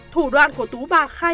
thủ đoạn của tú bà khai